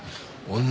女